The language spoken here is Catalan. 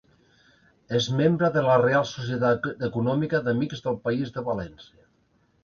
És membre de la Reial Societat Econòmica d'Amics del País de València.